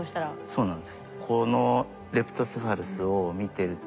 そうなんです。